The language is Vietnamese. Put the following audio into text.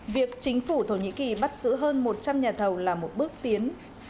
việc chính phủ thổ nhĩ kỳ bắt giữ hơn một trăm linh nhà thầu là một bước tiến